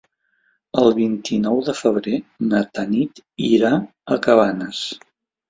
El vint-i-nou de febrer na Tanit irà a Cabanes.